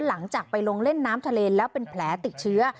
หลังจากไปลงเล่นน้ำทะเลแล้วเป็นแผลติดเชื้อ